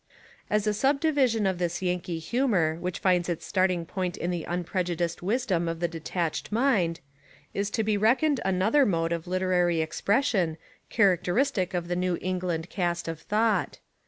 As a subdivision of this Yankee humour which finds its starting point in the unprejudiced wisdom of the detached mind, is to be reck oned another mode of literary expression char acteristic of the Nevy England cast of thought.